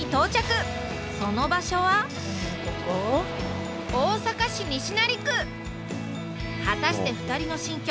その場所は果たして２人の新居